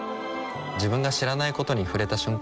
自分が知らないことに触れた瞬間